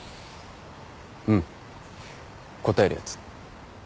うん答えるやつ。